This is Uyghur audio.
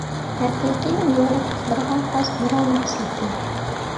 ھەقىقىي ئۇيغۇر قىزلىرىغا خاس نۇرانە خىسلىتى.